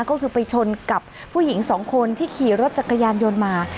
ก็คือไปชนกับผู้หญิงสองคนที่ขี่รถจักรยานยนต์มา